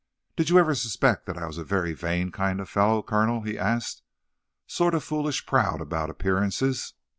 "Did you ever suspect I was a very vain kind of fellow, Colonel?" he asked. "Sort of foolish proud about appearances?"